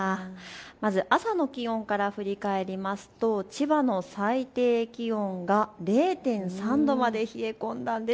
まず朝の気温から振り返りますと千葉の最低気温が０．３度まで冷え込んだんです。